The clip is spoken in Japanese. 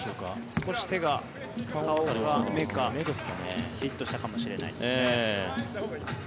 少し手が、顔か目かヒットしたかもしれないですね。